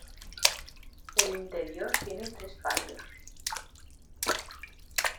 El interior tiene tres patios.